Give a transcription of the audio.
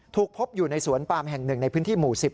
ถูกพบอยู่ในสวนปามแห่งหนึ่งในพื้นที่หมู่๑๐